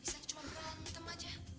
bisa cuma bergulang hitam aja